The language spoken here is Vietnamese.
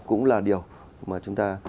cũng là điều mà chúng ta